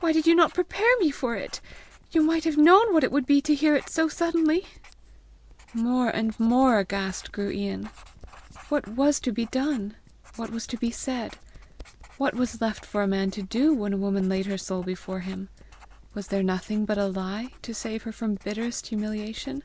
Why did you not prepare me for it? You might have known what it would be to hear it so suddenly!" More and more aghast grew Ian! What was to be done? What was to be said? What was left for a man to do, when a woman laid her soul before him? Was there nothing but a lie to save her from bitterest humiliation?